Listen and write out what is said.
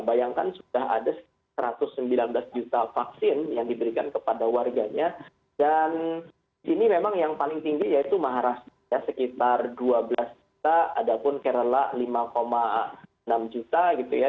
bayangkan sudah ada satu ratus sembilan belas juta vaksin yang diberikan kepada warganya dan ini memang yang paling tinggi yaitu maharas ya sekitar dua belas juta ada pun kerela lima enam juta gitu ya